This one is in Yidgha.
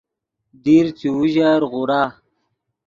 دیر چے اوژر غورا